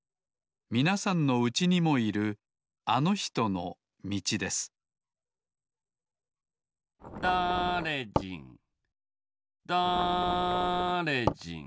みなさんのうちにもいるあのひとのみちですだれじんだれじん